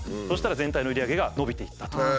そしたら全体の売り上げが伸びていったと。